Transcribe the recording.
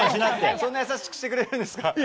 そんな易しくしてくれるんですか。